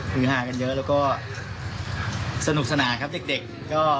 คือฮากันเยอะแล้วก็สนุกสนานครับเด็กก็